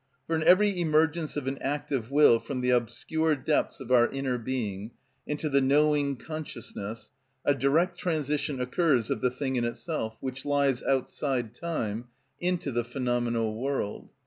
For in every emergence of an act of will from the obscure depths of our inner being into the knowing consciousness a direct transition occurs of the thing in itself, which lies outside time, into the phenomenal world.